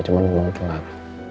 cuma memang telat